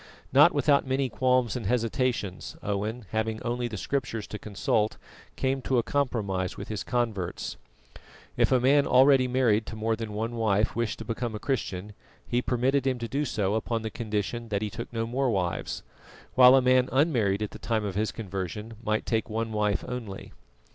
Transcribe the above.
Not without many qualms and hesitations, Owen, having only the Scriptures to consult, came to a compromise with his converts. If a man already married to more than one wife wished to become a Christian, he permitted him to do so upon the condition that he took no more wives; while a man unmarried at the time of his conversion might take one wife only.